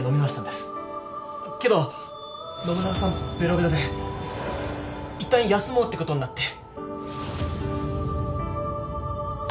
けど信長さんべろべろでいったん休もうってことになって。